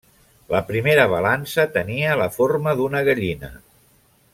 La primera balança tenia la forma d'una gallina.